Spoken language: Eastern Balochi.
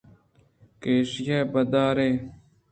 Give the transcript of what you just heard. کہ ایشی ءَ بِہ دار ئے